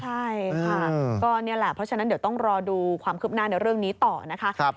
ใช่ค่ะก็นี่แหละเพราะฉะนั้นเดี๋ยวต้องรอดูความคืบหน้าในเรื่องนี้ต่อนะคะ